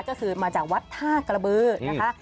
ก็คือมาจากวัดท่ากระบือนะคะ